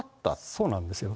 そうなんですよ。